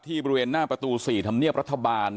บริเวณหน้าประตู๔ธรรมเนียบรัฐบาล